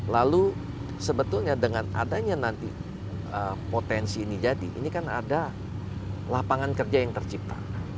lalu sebetulnya dengan adanya nanti potensi ini jadi ini kan ada lapangan kerja yang tercipta